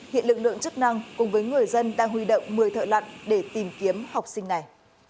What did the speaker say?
hiện lực lượng chức năng cùng với người dân đang huy động một mươi thợ lặn để tìm kiếm học sinh này